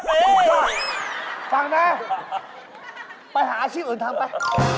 เอ๊ยไม่ชอบฟังนะไปหาอาชีพอื่นทำไป